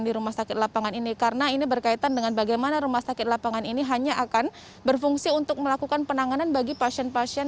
di rumah sakit lapangan ini karena ini berkaitan dengan bagaimana rumah sakit lapangan ini hanya akan berfungsi untuk melakukan penanganan bagi pasien pasien